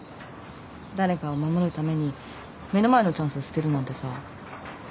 誰かを守るために目の前のチャンス捨てるなんてさ。